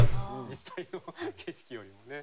実際の景色よりもね。